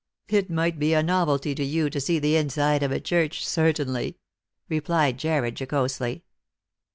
" It might be a novelty to you to see the inside of a church, certainly," replied Jarred jocosely.